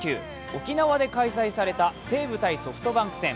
沖縄で開催された西武×ソフトバンク戦。